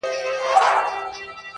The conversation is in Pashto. وخوره او ونغره فرق لري.